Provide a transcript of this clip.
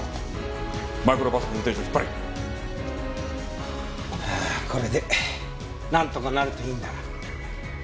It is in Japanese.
マイクロバスの運転手を引っ張れ！はあこれでなんとかなるといいんだが。